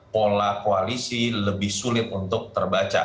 pola koalisi lebih sulit untuk terbaca